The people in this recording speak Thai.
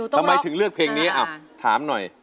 ทำไมถึงเลือกเพลงนี้ถามหน่อย